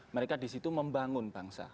mereka di situ membangun bangsa